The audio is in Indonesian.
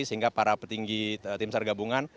sehingga para petinggi timsar gabungan